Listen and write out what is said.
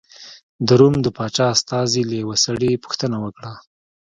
د روم د پاچا استازي له یوه سړي پوښتنه وکړه.